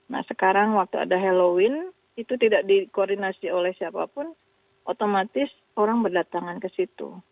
nah sekarang waktu ada halloween itu tidak dikoordinasi oleh siapapun otomatis orang berdatangan ke situ